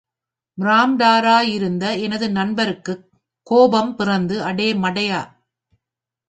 பிராம்டாராயிருந்த எனது நண்பருக்குக் கோபம் பிறந்து, அடே மடையா!